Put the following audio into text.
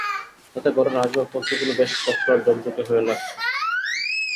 তাতে ঘরের আসবাবপত্রগুলো বেশ স্পষ্ট আর ঝকঝকে হয়ে চোখে লাগছে।